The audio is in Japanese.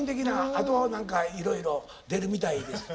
あと何かいろいろ出るみたいです。